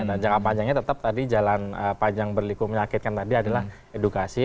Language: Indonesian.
dan jangka panjangnya tetap tadi jalan panjang berliku menyakitkan tadi adalah edukasi